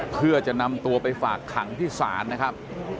เพื่อจะนำตัวไปฝากขังที่ศาลนะครับ